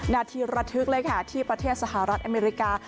นาทีระทึกเลยค่ะที่ประเทศสหรัฐอเมริกา